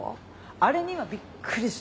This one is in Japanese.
あれにはびっくりした。